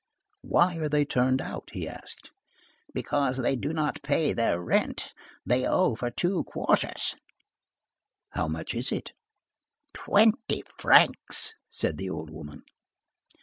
"Why are they turned out?" he asked. "Because they do not pay their rent; they owe for two quarters." "How much is it?" "Twenty francs," said the old woman.